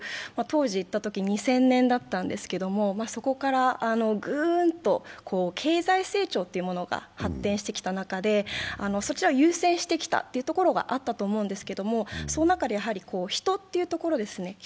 当時、行ったとき、２０００年だったんですけれどもそこからグーンと経済成長が発展してきた中で、そちらを優先してきたというところがあったと思うんですけど、その中で、人というところですね。